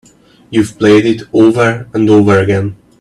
You've played it over and over again.